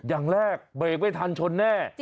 อย่างแรกเบรกไม่ทันชนแน่